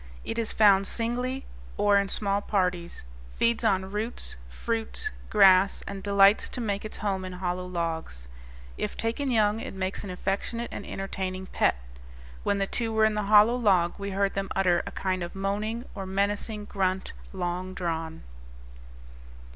It is found singly or in small parties, feeds on roots, fruits, grass, and delights to make its home in hollow logs. If taken young it makes an affectionate and entertaining pet. When the two were in the hollow log we heard them utter a kind of moaning, or menacing, grunt, long drawn.